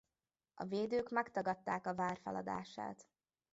A védők megtagadták a vár feladását.